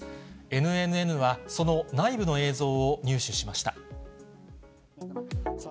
ＮＮＮは、その内部の映像を入手しました。